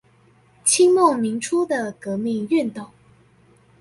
清末民初的革命運動